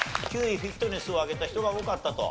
９位フィットネスを挙げた人が多かったと。